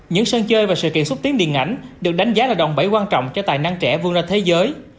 những sân chơi và sự kiện xuất tiến điện ảnh được đánh giá là đòn bẫy quan trọng cho tài năng trẻ vươn ra thế giới